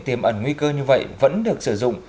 tiềm ẩn nguy cơ như vậy vẫn được sử dụng